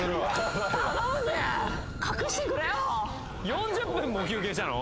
４０分も休憩したの？